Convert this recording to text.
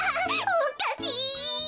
おっかしい！